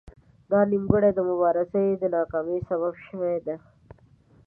دا نیمګړتیا د مبارزې د ناکامۍ سبب شوې ده